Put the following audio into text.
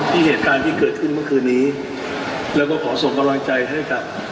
เหตุการณ์ที่เกิดขึ้นเมื่อคืนนี้แล้วก็ขอส่งกำลังใจให้กับ